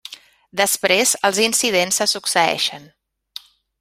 Després els incidents se succeeixen.